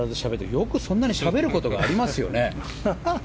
よくそんなにしゃべることがありますよね。